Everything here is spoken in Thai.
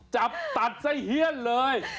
จับตัดไส้เฮียนเลย